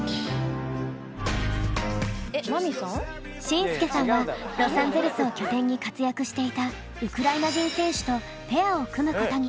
進陪さんはロサンゼルスを拠点に活躍していたウクライナ人選手とペアを組むことに。